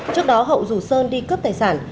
trước đó hậu rủ sơn đi cướp tài sản